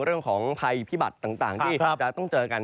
เรื่องของภัยพิบัติต่างที่จะต้องเจอกัน